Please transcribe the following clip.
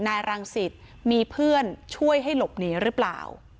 นายรังสิตมีเพื่อนช่วยให้หลบหนีหรือเปล่า